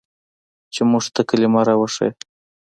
چې موږ ته کلمه راوښييه.